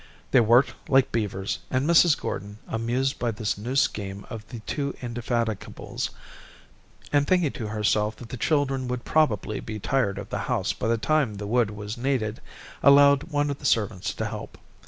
They worked like beavers, and Mrs. Gordon, amused by this new scheme of the two indefatigables, and thinking to herself that the children would probably be tired of the house by the time the wood was needed, allowed one of the servants to help.